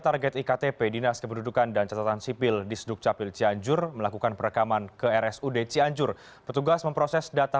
albi pratama jakarta